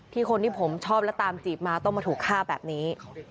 คนที่ผมชอบและตามจีบมาต้องมาถูกฆ่าแบบนี้